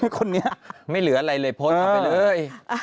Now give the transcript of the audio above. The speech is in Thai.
คนนี้ไม่เหลืออะไรเลยโพสต์เข้าไปเลย